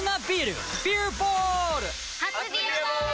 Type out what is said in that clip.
初「ビアボール」！